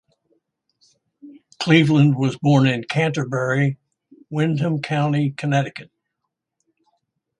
Cleaveland was born in Canterbury, Windham County, Connecticut.